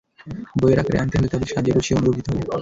বইয়ের আকারে আনতে হলে তাদের সাজিয়ে গুছিয়ে অন্য রূপ দিতে হবে।